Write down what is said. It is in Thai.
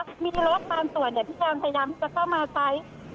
อยู่ที่ที่ปลอดภัยค่ะมีสถานที่กำบัง